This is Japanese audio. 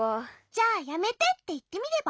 じゃあやめてっていってみれば？